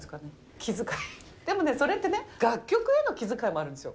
気遣い、でもそれってね、楽曲への気遣いもあるんですよ。